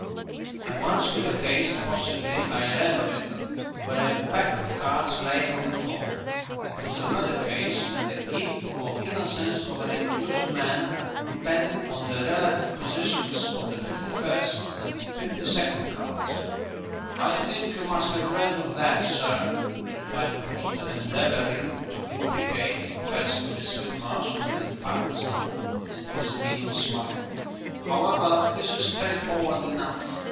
"I once knew a case possibly I read of it where a pack of cards lay on the floor. It was a murder case and the guilt or innocence of an accused man depended on the relative positions of the fifty first and fifty second cards." "I think you must have read of that, sir," replied Brewster, endeavouring to implicate first Miss Whitmarsh and then Parkinson in his meaning smile. "However, this is straightforward enough."